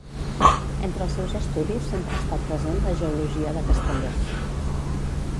Entre els seus estudis sempre ha estat present la geologia de Castelló.